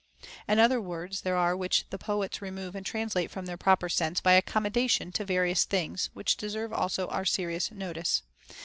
And other words there are which the poets remove and translate from their proper sense by accommodation to various things, which deserve also our serious notice.